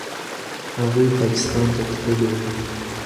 هغوی پاکستان ته تللي وو.